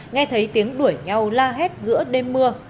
nghe thấy tiếng đuổi nhau la hét giữa đêm mưa